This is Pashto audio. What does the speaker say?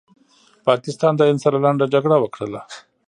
پاکستان د هند سره لنډه جګړه وکړله